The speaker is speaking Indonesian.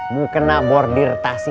mukena bordir tasik